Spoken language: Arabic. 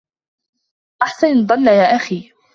احسن الظن يا أخي